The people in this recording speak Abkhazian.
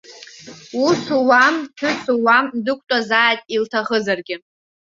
Ус луам, ҳәыс луам, дықәтәазааит илҭахызаргьы.